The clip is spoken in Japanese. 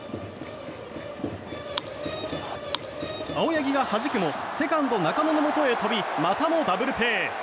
青柳がはじくもセカンドの中野のもとへ飛びまたもダブルプレー。